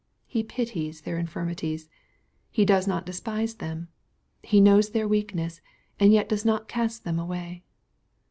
He pities their infirmities. He does not despise them. He knows their weakness, and yet does not cast them away.